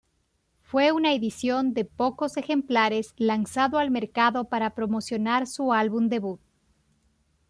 Fue una edición de pocos ejemplares lanzado al mercado para promocionar su álbum debut.